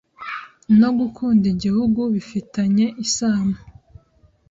no “gukunda Igihugu”bifi ta n y e is a n o